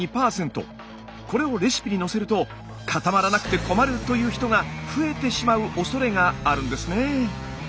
これをレシピに載せると固まらなくて困るという人が増えてしまうおそれがあるんですね。